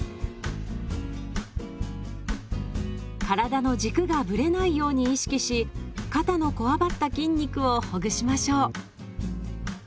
体の軸がブレないように意識し肩のこわばった筋肉をほぐしましょう。